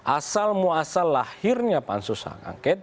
asal muasal lahirnya pansus hak angket